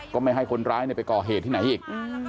ไม่ให้คนร้ายไปก่อเหตุที่ไหนอีก